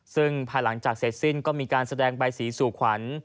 ซึ่งภายหลังจากเสร็จสิ้นก็มีการแสดงใบสีสู่ขวัญ